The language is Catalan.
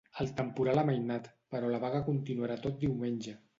El temporal ha amainat, però la vaga continuarà tot diumenge.